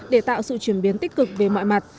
để tạo sự chuyển biến tích cực về mọi mặt